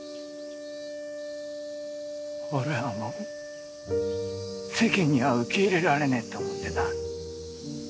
俺はもう世間には受け入れられねぇと思ってた。